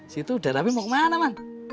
situ udah rapi mau kemana man